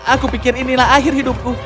aku pikir inilah akhir hidupku